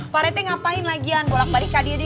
pak rete ngapain lagian bolak balik kak dede